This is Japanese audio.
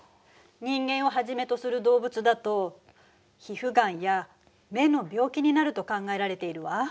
人間をはじめとする動物だと皮ふガンや目の病気になると考えられているわ。